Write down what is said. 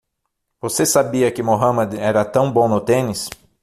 Você sabia que Muhammad era tão bom no tênis?